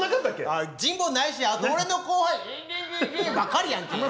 あ人望ないしあと俺の後輩ばっかりやんけ。